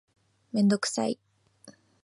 メンドクサイ